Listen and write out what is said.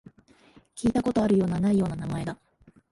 聞いたことあるような、ないような名前だ